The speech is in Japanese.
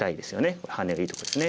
これハネがいいとこですね。